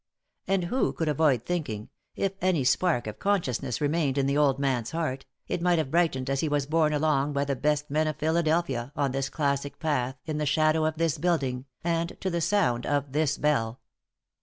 And who could avoid thinking, if any spark of consciousness remained in the old man's heart, it might have brightened as he was borne along by the best men of Philadelphia, on this classic path, in the shadow of this building, and to the sound of this bell.